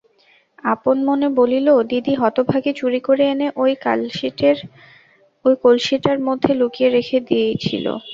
আপন মনে বলিল, দিদি হতভাগী চুরি করে এনে ওই কলসীটার মধ্যে লুকিয়ে রেখে দিইছিল!